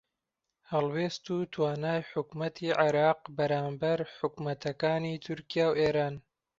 هەڵوێست و توانای حکوومەتی عێراق بەرامبەر بە حکوومەتەکانی تورکیا و ئێران